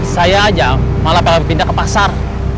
saya aja malah pindah ke pasar